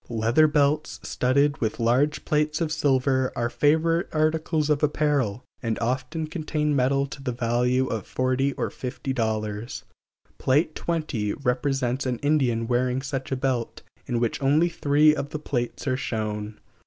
Leather belts studded with large plates of silver are favorite articles of apparel, and often contain metal to the value of forty or fifty dollars. Pl. XX represents an Indian wearing such a belt, in which only three of the plates are shown.